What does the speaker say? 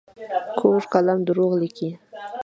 کوږ قلم دروغ لیکي